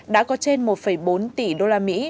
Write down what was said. đã có trên một bốn tỷ đô la mỹ